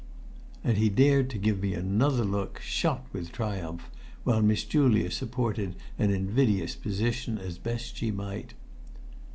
And he dared to give me another look shot with triumph while Miss Julia supported an invidious position as best she might.